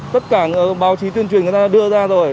tất cả báo chí tuyên truyền người ta đưa ra rồi